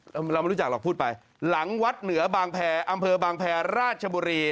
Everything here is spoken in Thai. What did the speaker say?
เราไม่รู้จักหรอกพูดไปหลังวัดเหนือบางแพรอำเภอบางแพรราชบุรี